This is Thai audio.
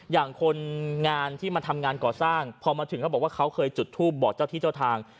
อย่างคนงานที่มาทำงานก่อสร้างพอมาถึงเขาบอกว่าเขาเคยจุดทูปบอกเจ้าที่เจ้าทาง